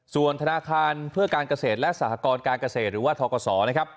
ส่วนธนาคารเพื่อการเกษตรและสหกรการเกษตรหรือว่าทกศนะครับ